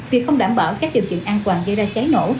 việc không đảm bảo các điều kiện an toàn gây ra cháy nổ